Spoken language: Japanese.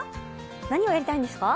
何をやりたいんですか？